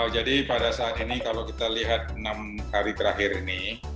jadi pada saat ini kalau kita lihat enam hari terakhir ini